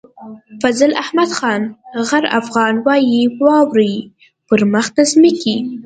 فضل احمد خان غر افغان وايي واورئ په مخ د ځمکې.